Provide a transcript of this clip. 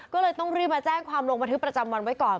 ก็เลยต้องรีบมาแจ้งความลงบันทึกประจำวันไว้ก่อน